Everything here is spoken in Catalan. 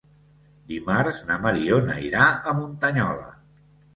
Dimarts na Mariona irà a Muntanyola.